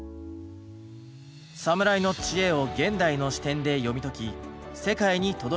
サムライの知恵を現代の視点で読み解き世界に届ける番組。